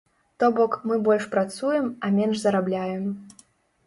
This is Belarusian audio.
То бок, мы больш працуем, а менш зарабляем.